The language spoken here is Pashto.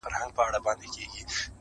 o ترېنه جوړ امېل د غاړي د لیلا کړو,